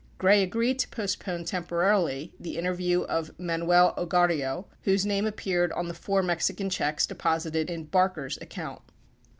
Gray agreed to postpone temporarily the inter view of Manuel Ogarrio, whose name appeared on the four Mexican checks deposited in Barker's account.